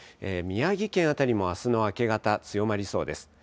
宮城県辺りもあすの明け方強まりそうです。